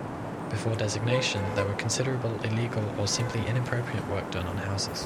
Before designation there was considerable illegal or simply inappropriate work done on houses.